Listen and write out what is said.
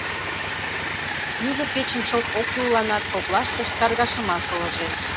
Южо кечын чылт оккӱлланак коклаштышт каргашымаш ылыжеш.